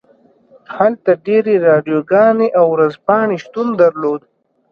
هلته ډیرې راډیوګانې او ورځپاڼې شتون درلود